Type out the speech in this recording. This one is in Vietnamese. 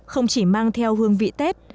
không chỉ mang theo hương vị tết